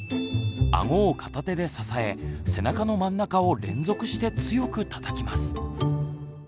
あごを片手で支え背中の真ん中を連続して強くたたきます。